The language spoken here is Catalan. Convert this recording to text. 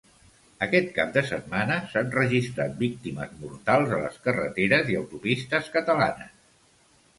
Aquest cap de setmana s'han registrat víctimes mortals a les carreteres i autopistes catalanes.